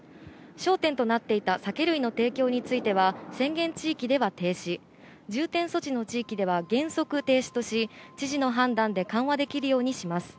焦点となっていた酒類の提供については宣言地域では停止、重点措置の地域では原則停止とし、知事の判断で緩和できるようにします。